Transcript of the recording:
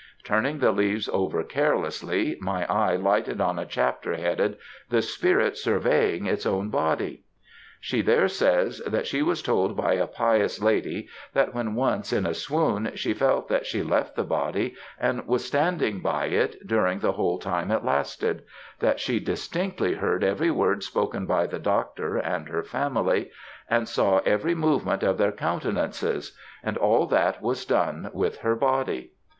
Turning the leaves over carelessly, my eye lighted on a chapter headed "The spirit surveying its own body!" She there says that she was told by a pious lady, that when once in a swoon, she felt that she left the body and was standing by it during the whole time it lasted; that she distinctly heard every word spoken by the doctor and her family, and saw every movement of their countenances, and all that was done with her body.